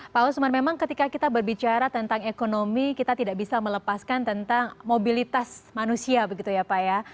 pak usman memang ketika kita berbicara tentang ekonomi kita tidak bisa melepaskan tentang mobilitas manusia begitu ya pak ya